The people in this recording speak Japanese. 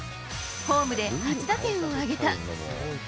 ホームで初打点を挙げた。